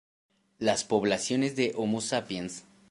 Las Poblaciones de "Homo Sapiens".